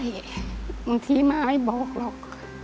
บางทีมาไม่บอกหรอก